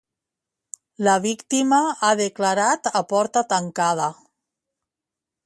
La víctima ha declarat a porta tancada.